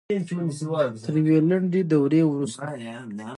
تر یوې لنډې دورې وروسته